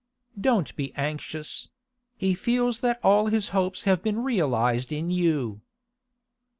Don't be anxious; he feels that all his hopes have been realised in you.